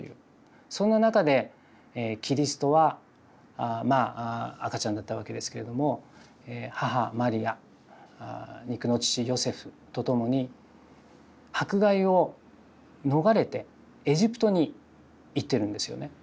そんな中でキリストはまあ赤ちゃんだったわけですけれども母マリア肉の父ヨセフと共に迫害を逃れてエジプトに行ってるんですよね。